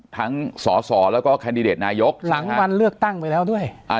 ทั้งสแล้วก็นายกหลังวันเลือกตั้งไปแล้วด้วยอ่า